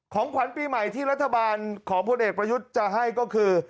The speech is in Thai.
ของขวัญปีใหม่ที่รัฐบาลของพลเอกประยุทธ์จะให้ก็คือ